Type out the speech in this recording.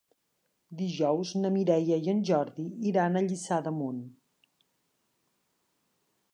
Dijous na Mireia i en Jordi iran a Lliçà d'Amunt.